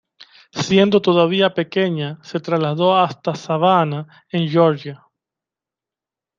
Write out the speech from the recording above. Siendo todavía pequeña se trasladó hasta Savannah, en Georgia.